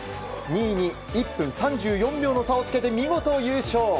２位に１分３４秒の差をつけて見事優勝！